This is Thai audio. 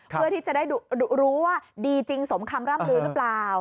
เพื่อที่จะได้รู้ว่าดีจริงสมคำร่ำลือหรือเปล่า